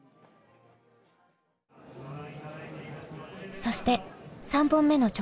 そして３本目の直前。